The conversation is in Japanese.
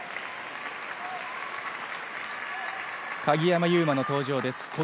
鍵山優真の登場です。